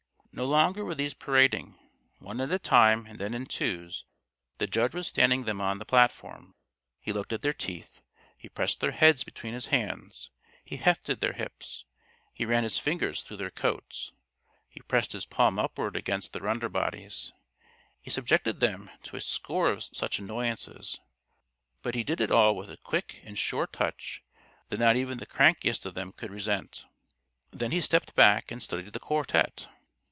No longer were these parading. One at a time and then in twos, the judge was standing them on the platform. He looked at their teeth. He pressed their heads between his hands. He "hefted" their hips. He ran his fingers through their coats. He pressed his palm upward against their underbodies. He subjected them to a score of such annoyances, but he did it all with a quick and sure touch that not even the crankiest of them could resent. Then he stepped back and studied the quartet.